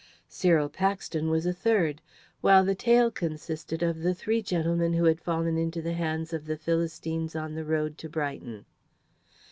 Cyril Paxton was a third; while the tail consisted of the three gentlemen who had fallen into the hands of the Philistines on the road to Brighton.